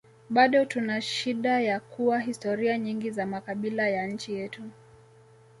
Bado tunashida ya kuwa historia nyingi za makabila ya nchi yetu